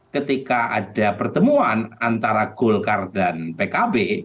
ketika ada pertemuan antara golkar dan pkb